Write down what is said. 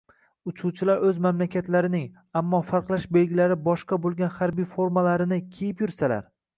Uchuvchilar o‘z mamlakatlarining, ammo farqlash belgilari boshqa bo‘lgan harbiy formalarini kiyib yursalar